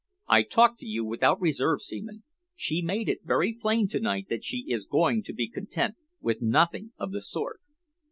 I talk to you without reserve, Seaman. She has made it very plain to night that she is going to be content with nothing of the sort."